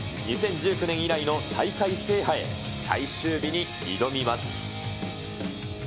２０１９年以来の大会制覇へ、最終日に挑みます。